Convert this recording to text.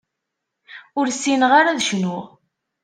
Ur ssineɣ ara ad cnuɣ.